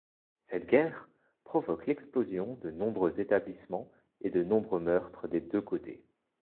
Cette guerre provoque l'explosion de nombreux établissements et de nombreux meurtres des deux côtés.